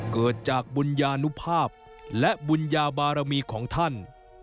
เกิดจากบุญญานุภาพและบุญญาบารมีของท่าน